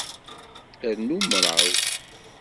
Rnu mraw.